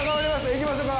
行きましょうか。